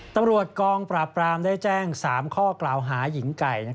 ตำรวจกองปราบปรามได้แจ้ง๓ข้อกล่าวหาหญิงไก่